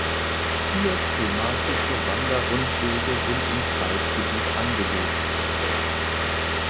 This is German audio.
Vier thematische Wander-Rundwege sind im Kreisgebiet angelegt.